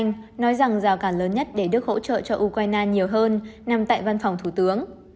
ông nói rằng rào cản lớn nhất để đức hỗ trợ cho ukraine nhiều hơn nằm tại văn phòng thủ tướng